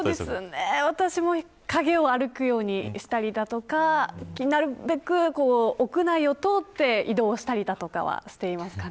私も陰を歩くようにしたりだとかなるべく屋内を通って移動したりだとかはしていますかね。